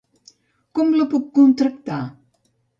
Com la puc contractar?